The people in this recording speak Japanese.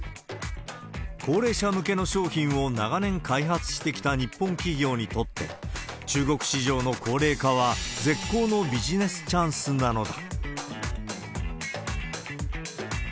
高齢者向けの商品を長年開発してきた日本企業にとって、中国市場の高齢化は絶好のビジネスチャンスなのだ。